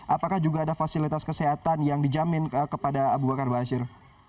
apakah juga ada fasilitas kesehatan yang dijamin kepada aba bakar aba asyir